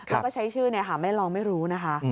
แล้วก็ใช้ชื่อไม่ลองไม่รู้นะคะ